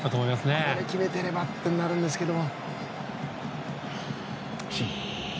ここで決めてればとなるんですけども。